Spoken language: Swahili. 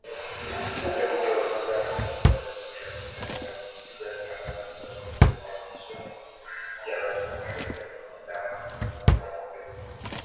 Mjumbe mpya wa Umoja wa mataifa kwa Jamhuri ya Afrika ya kati siku ya Jumatano alitoa wito kurekebishwa upya kwa kikosi cha kulinda amani cha Umoja wa Mataifa.